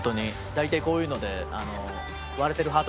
大体こういうので。